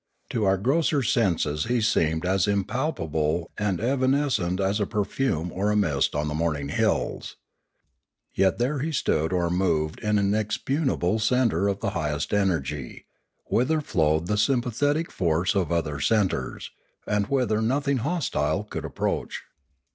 To our grosser senses he seemed as impalpable and evanescent as a perfume or a mist on the morning hills. Yet there he stood or moved an inexpugnable centre of the highest energy, whither flowed the sympathetic force of other centres, and whither nothing hostile could approach.